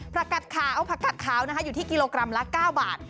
ผักกัดขาวอยู่ที่กิโลกรัมละ๙บาท